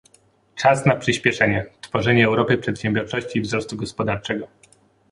Czas na przyspieszenie - Tworzenie Europy przedsiębiorczości i wzrostu gospodarczego